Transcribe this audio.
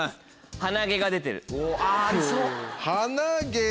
「鼻毛が出てる」。